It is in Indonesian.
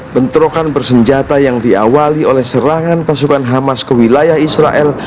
bentrokan bersenjata yang diawali oleh serangan pasukan hamas ke wilayah israel